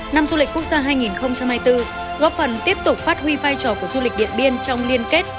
năm du lịch quốc gia hai nghìn hai mươi bốn góp phần tiếp tục phát huy vai trò của du lịch điện biên trong liên kết